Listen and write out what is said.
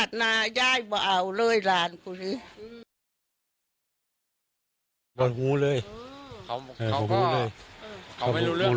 เขาก็ไม่รู้เรื่อง